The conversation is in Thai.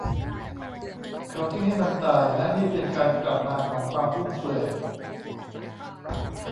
เขาทิ้งให้มันตาย และนี่เป็นการกลับมาของความฟุ่มเฟือย